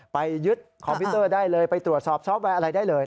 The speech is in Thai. ไปยึดคอมพิวเตอร์ได้เลยไปตรวจสอบซอฟต์แวร์อะไรได้เลย